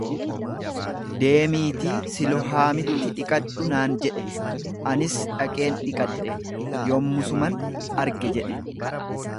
Deemiitii Silohaamitti dhiqadhu naan jedhe, anis dhaqeen dhiqadhe, yommusuman arge jedhe.